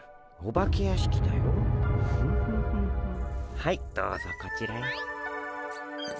はいどうぞこちらへ。